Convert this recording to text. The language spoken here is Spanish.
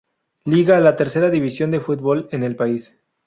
Liga, la tercera división de fútbol en el país.